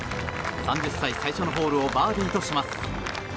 ３０歳最初のホールをバーディーとします。